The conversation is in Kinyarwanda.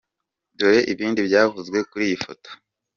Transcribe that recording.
Dore ibindi byavuzwe kuri iyi foto.